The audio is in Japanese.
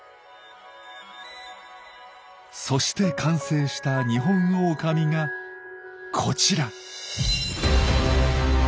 そして完成したニホンオオカミがこちら！